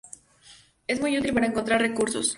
Es muy útil para encontrar recursos.